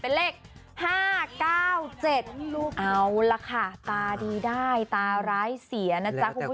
บ้างคนเขาบอกว่าเห็นเป็นเล็ก